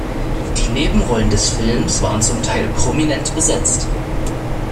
Die Nebenrollen des Films waren zum Teil prominent besetzt.